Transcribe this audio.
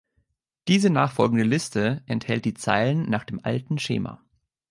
Diese nachfolgende Liste enthält die Zeilen nach dem alten Schema.